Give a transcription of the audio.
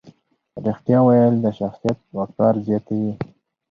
رښتیا ویل د شخصیت وقار زیاتوي.